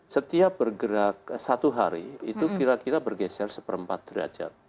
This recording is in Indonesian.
setiap bergerak satu hari itu kira kira bergeser seperempat derajat